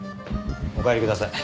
お帰りください。